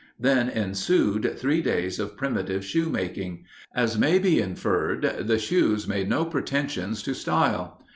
Then ensued three days of primitive shoemaking. As may be inferred, the shoes made no pretension to style.